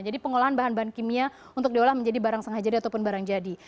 jadi pengolahan bahan bahan kimia untuk diolah menjadi barang sengaja ataupun barang jadi